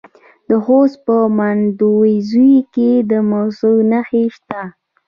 د خوست په مندوزیو کې د مسو نښې شته.